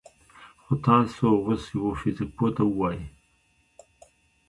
خو تاسو اوس يوه فزيك پوه ته ووايئ: